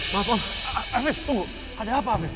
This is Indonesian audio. maaf om afif tunggu ada apa afif